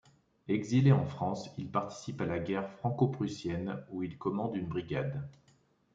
Exilé en France, il participe à la guerre franco-prussienne où il commande une brigade.